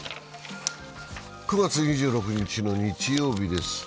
９月２６日の日曜日です。